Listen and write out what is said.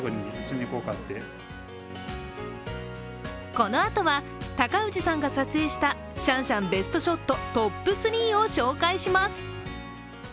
このあとは、高氏さんが撮影したシャンシャンベストショットトップ３を紹介します。